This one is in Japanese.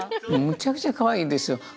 むちゃくちゃかわいいですよ。